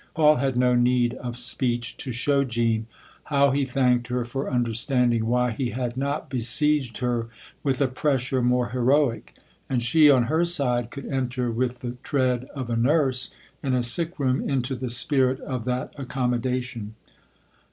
Paul had no need of speech to show Jean how he thanked her for understanding why he had not besieged her with a pressure more heroic, and she, on her side, could enter with the tread of a nurse in a sick room into the spirit of that accom modation.